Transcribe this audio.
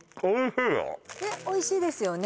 ねっおいしいですよね